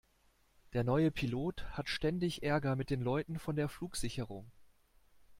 Der neue Pilot hat ständig Ärger mit den Leuten von der Flugsicherung.